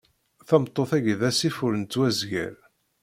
Tameṭṭut-agi d asif ur nettwazgar.